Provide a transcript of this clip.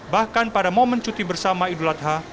bahkan pada momen cuti bersama idul adha